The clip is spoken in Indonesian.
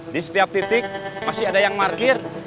di setiap titik masih ada yang parkir